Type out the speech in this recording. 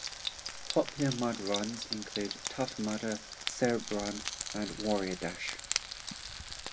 Popular mud runs include Tough Mudder, CerebRun, and Warrior Dash.